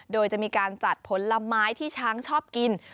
โดยจะมีการจัดผลไม้ที่ช้างชอบกิน